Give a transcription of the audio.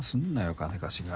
金貸しが。